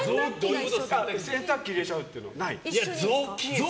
洗濯機入れちゃうっていうのない？